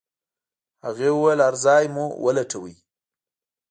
هغې وويل هر ځای مو ولټاوه.